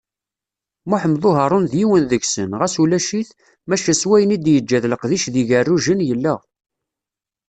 Muḥemmed Uharu d yiwen deg-sen, ɣas ulac-it, maca s wayen i d-yeǧǧa d leqdic d yigerrujen yella.